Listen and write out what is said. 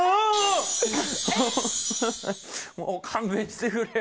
もう勘弁してくれよ。